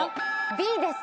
Ｂです。